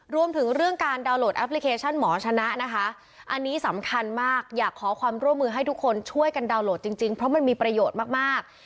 รวมถึงเรื่องการดาวน์โหลดแอปพลิเคชันหมอชนะนะคะอันนี้สำคัญมากอยากขอความร่วมมือให้ทุกคนช่วยกันดาวนโหลดจริงเพราะมันมีประโยชน์มาก